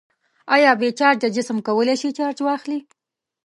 آیا بې چارجه جسم کولی شي چارج واخلي؟